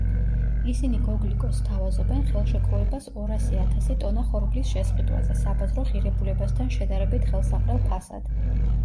ისინი გოგლიკოს სთავაზობენ ხელშეკრულებას ორასი ათასი ტონა ხორბლის შესყიდვაზე, საბაზრო ღირებულებასთან შედარებით ხელსაყრელ ფასად.